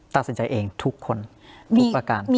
ตัดสินใจเองทุกคนทุกประการ